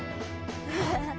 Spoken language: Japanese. ハハハッ。